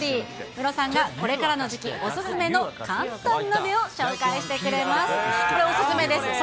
ムロさんがこれからの時期、お勧めの簡単鍋を紹介してくれます。